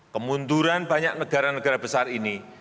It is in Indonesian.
kemunduran banyak negara negara besar ini